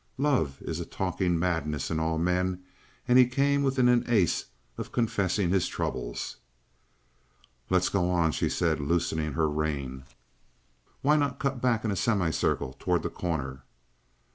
Love is a talking madness in all men and he came within an ace of confessing his troubles. "Let's go on," she said, loosening her rein. "Why not cut back in a semicircle toward The Corner?"